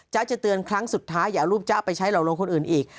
จะเตือนครั้งสุดท้ายอย่าเอารูปจ๊ะไปใช้เหล่าลงคนอื่นอีก